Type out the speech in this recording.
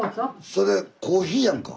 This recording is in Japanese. それコーヒーやんか。